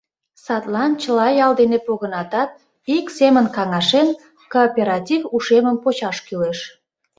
Садлан чыла ял дене погынатат, ик семын каҥашен, кооператив ушемым почаш кӱлеш.